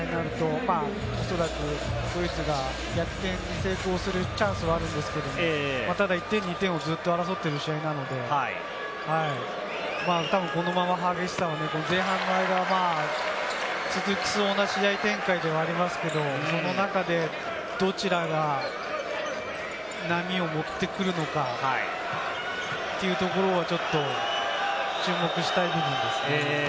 おそらくドイツが逆転に成功するチャンスはあるんですけれども、ただ１点、２点をずっと争っている試合なので、たぶんこのまま激しさが、前半の間は続きそうな試合展開ではありますけれども、その中でどちらが波を持ってくるのかというところは、ちょっと注目したい部分ですね。